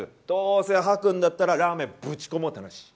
どうせ吐くんだったら、ラーメンぶち込もうって話。